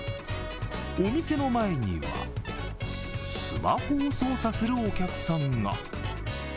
お店の前にはスマホを操作するお客さんが。